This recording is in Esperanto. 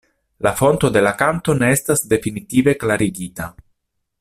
La fonto de la kanto ne estas definitive klarigita.